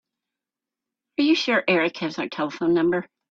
Are you sure Erik has our telephone number?